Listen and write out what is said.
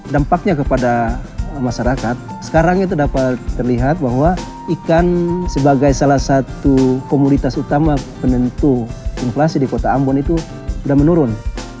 dampaknya kepada masyarakat sekarang itu dapat terlihat bahwa ikan sebagai salah satu komoditas utama penentu inflasi di kota ambon itu sudah menurun